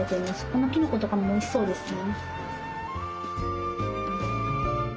このきのことかもおいしそうですね。